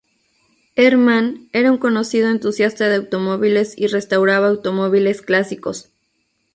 Herrmann era un conocido entusiasta de automóviles y restauraba automóviles clásicos.